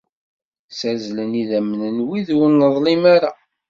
Ssazzlen idammen n wid ur neḍlim ara.